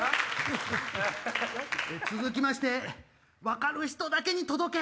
続きまして分かる人だけに届け！